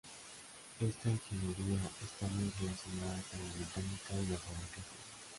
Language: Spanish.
Esta ingeniería está muy relacionada con la mecánica y la fabricación.